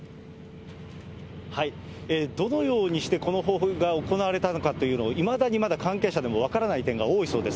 どのようにしてこの方法が行われたというのが、いまだにまだ関係者でも分からない点が多いそうです。